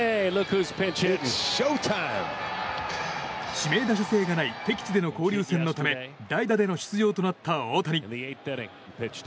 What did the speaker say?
指名打者制がない敵地での交流戦のため代打での出場となった大谷。